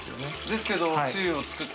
ですけど。